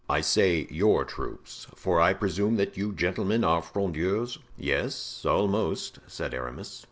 I say your troops, for I presume that you gentlemen are Frondeurs?" "Yes, almost," said Aramis.